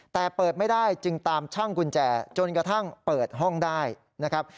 แต่เปิดไม่ได้จึงตามช่างกุญแจจนกระทั่งเปิดห้องได้นะครับ